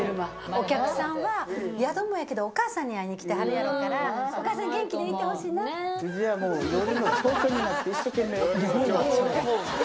お客さんは、宿もやけど、お母さんに会いに来てはるやろうから、お母さん、元気でいてほし夜のチョウチョになって一生懸命。